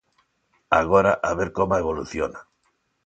Agora a ver coma evoluciona.